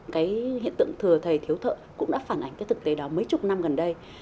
cái hiện tượng thừa thầy thiếu thợ cũng đã phản ánh cái thực tế đó mấy chục năm gần đây